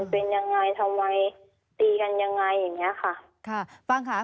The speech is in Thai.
เป็นยังไงทำไมตีกันยังไงอย่างนี้ค่ะ